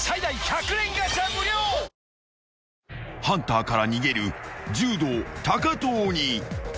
［ハンターから逃げる柔道藤に］